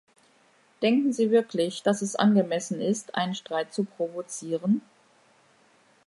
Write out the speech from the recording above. Denken Sie wirklich, dass es angemessen ist, einen Streit zu provozieren?